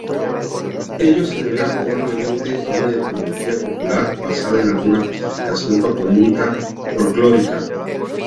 Ello se deberá probablemente a una etimología popular, basada en alguna justificación toponímica folclórica.